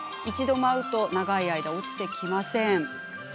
一度舞うと長い間落ちてきません。